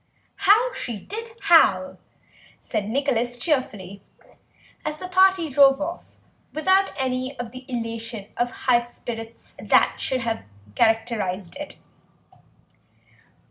"How she did howl," said Nicholas cheerfully, as the party drove off without any of the elation of high spirits that should have characterised it.